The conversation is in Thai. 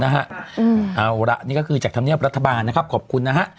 เอาละนี่ก็คือจากธรรมเนียบรัฐบาลนะครับขอบคุณนะฮะ